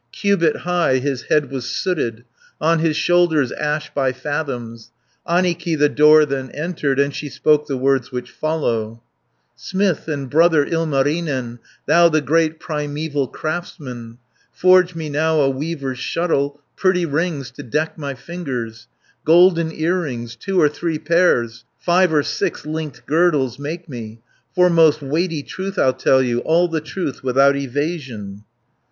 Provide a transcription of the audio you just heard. Cubit high his head was sooted, On his shoulders ash by fathoms. 220 Annikki the door then entered, And she spoke the words which follow: "Smith and brother Ilmarinen, Thou the great primeval craftsman, Forge me now a weaver's shuttle, Pretty rings to deck my fingers, Golden earrings, two or three pairs, Five or six linked girdles make me, For most weighty truth I'll tell you, All the truth without evasion."